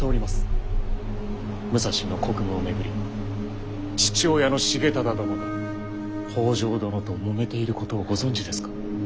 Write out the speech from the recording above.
武蔵の国務を巡り父親の重忠殿が北条殿ともめていることをご存じですか。